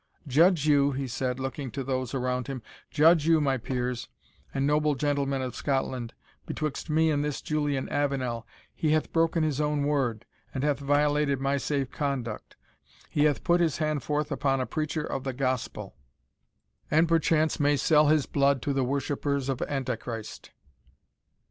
"Judge you," he said, looking to those around him, "judge you, my peers, and noble gentlemen of Scotland, betwixt me and this Julian Avenel he hath broken his own word, and hath violated my safe conduct and judge you also, my reverend brethren, he hath put his hand forth upon a preacher of the gospel, and perchance may sell his blood to the worshippers of Anti Christ!"